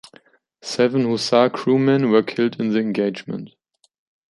Seven Hussar crewmen were killed in the engagement.